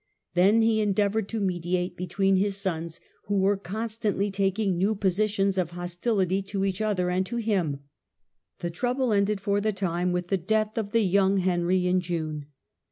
Then he endeavoured to mediate be tween his sons, who were constantly taking new positions of hostility to each other and to him. The trouble ended for the time with the death of the young Henry in June.